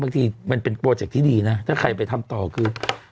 บางทีมันเป็นโปรเจคที่ดีนะถ้าใครไปทำต่อคือ